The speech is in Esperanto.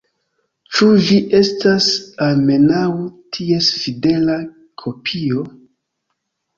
Ĉu ĝi estas almenaŭ ties fidela kopio?